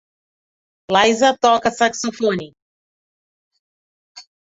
Liza toca saxofone.